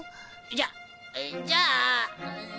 じゃじゃあうん。